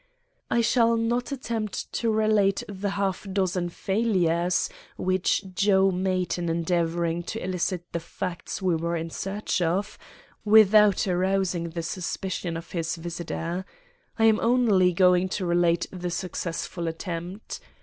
"I shall not attempt to relate the half dozen failures which Joe made in endeavoring to elicit the facts we were in search of, without arousing the suspicion of his visitor. I am only going to relate the successful attempt.